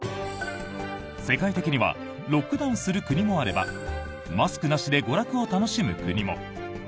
世界的にはロックダウンする国もあればマスクなしで娯楽を楽しむ国も。